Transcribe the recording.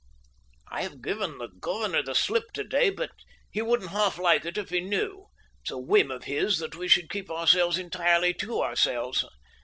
"I have given the governor the slip to day, but he wouldn't half like it if he knew. It's a whim of his that we should keep ourselves entirely to ourselves.